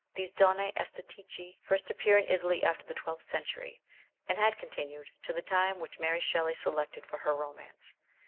These Donne Estatiche first appear in Italy after the 12th century, and had continued to the time which Mary Shelley selected for her romance.